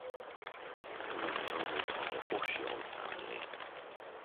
The current owners are the Pochciol family.